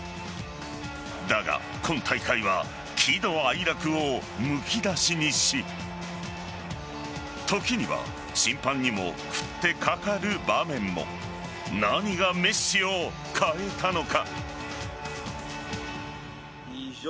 だが、今大会は喜怒哀楽をむき出しにし時には審判にも食ってかかる場面も。何がメッシを変えたのか。